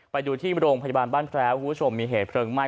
ไปดูที่โรงพยาบาลบ้านแพร้วคุณผู้ชมมีเหตุเพลิงไหม้